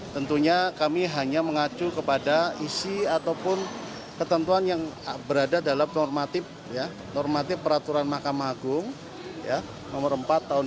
tentunya kami hanya mengacu kepada isi ataupun ketentuan yang berada dalam normatif peraturan mahkamah agung nomor empat tahun dua ribu